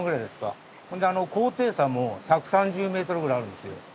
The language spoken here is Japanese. ほんであの高低差も１３０メートルぐらいあるんですよ。